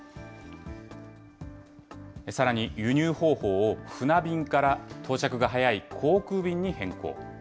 さらに、輸入方法を船便から、到着が早い航空便に変更。